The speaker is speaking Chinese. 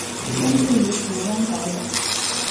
分布于台湾岛等。